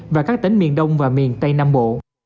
và các tỉnh miền đông và miền tây nam bộ